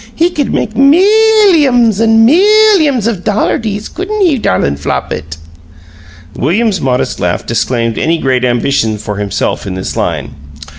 He could make milyums and milyums of dollardies, couldn't he, darlin' Flopit?" William's modest laugh disclaimed any great ambition for himself in this line.